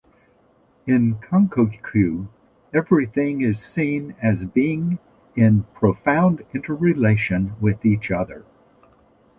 In Konkokyo, everything is seen as being in profound interrelation with each other.